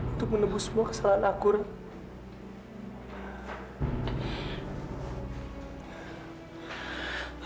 untuk menembus semua kesalahan aku ratu